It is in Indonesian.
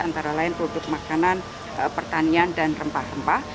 antara lain produk makanan pertanian dan rempah rempah